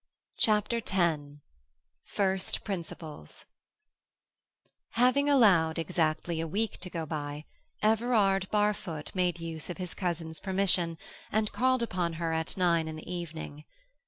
CHAPTER X FIRST PRINCIPLES Having allowed exactly a week to go by, Everard Barfoot made use of his cousin's permission, and called upon her at nine in the evening.